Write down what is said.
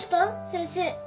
先生。